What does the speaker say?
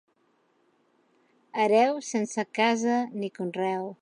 Hereu sense casa ni conreu.